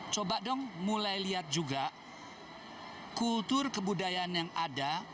coba dong mulai lihat juga kultur kebudayaan yang ada